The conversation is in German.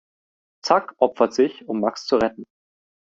Zack opfert sich, um Max zu retten.